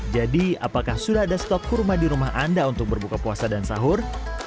jadi apakah sudah ada stok kurma di rumah anda untuk berbuka puasa dan sahur